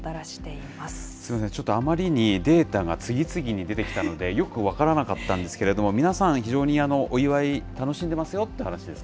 すみません、ちょっとあまりにデータが次々に出てきたので、よく分からなかったんですけれども、皆さん、非常にお祝い、楽しそうですね。